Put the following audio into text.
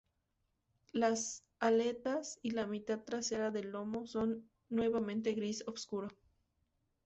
Las aletas y la mitad trasera del lomo son nuevamente gris oscuro.